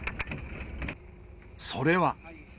それは。